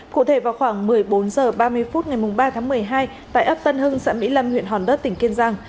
cụ thể vào khoảng một mươi bốn h ba mươi phút ngày ba tháng một mươi hai tại ấp tân hưng xã mỹ lâm huyện hòn đất tỉnh kiên giang